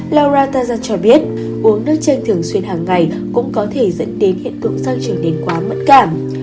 laura tarzan cho biết uống nước chanh thường xuyên hàng ngày cũng có thể dẫn đến hiện tượng sang trở nên quá mất cảm